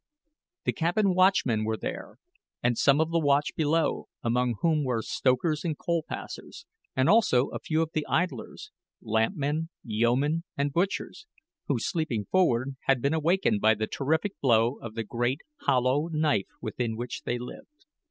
The cabin watchmen were there, and some of the watch below, among whom were stokers and coal passers, and also, a few of the idlers lampmen, yeomen, and butchers, who, sleeping forward, had been awakened by the terrific blow of the great hollow knife within which they lived.